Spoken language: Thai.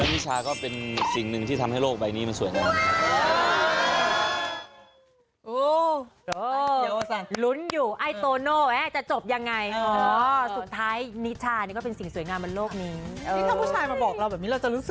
นิชาก็เป็นสิ่งหนึ่งที่ทำให้โลกใบนี้มันสวยงาม